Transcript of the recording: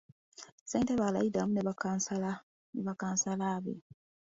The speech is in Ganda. Ssentebe alayidde wamu ne bakkansala be.